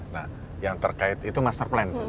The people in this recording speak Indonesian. nah yang terkait itu master plan